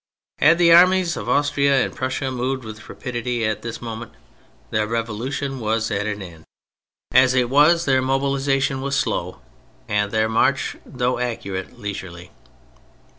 Had the armies of Austria and Prussia moved with rapidity at this moment, the Revolution was at an end. As it was, their THE PHASES 115 mobilisation was slow, and their march, though accurate, leisurely.